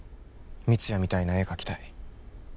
光也みたいな絵描きたい